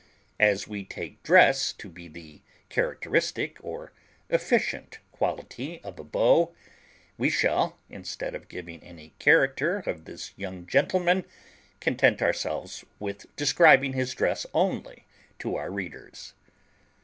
As we take dress to be the characteristic or efficient quality of a beau, we shall, instead of giving any character of this young gentleman, content ourselves with describing his dress only to our readers.